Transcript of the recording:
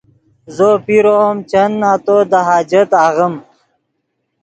زو پیرو ام چند نتو دے حاجت آغیم